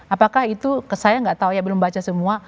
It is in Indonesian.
apakah itu saya nggak tahu ya belum baca semua